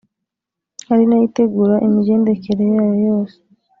ari nayo itegura imigendekere yayo yose